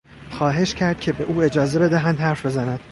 خواهش کرد که به او اجازه بدهند حرف بزند.